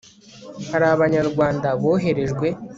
hari abanyarwanda boherejwe